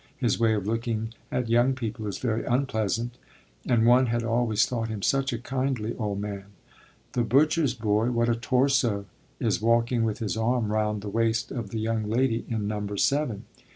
His way of looking at young people is very unpleasant; and one had always thought him such a kindly old man. The butcher's boy what a torso! is walking with his arm round the waist of the young lady in Number seven.